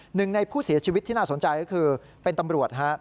หนึ่งในผู้เสียชีวิตที่น่าสนใจก็คือเป็นตำรวจฮะ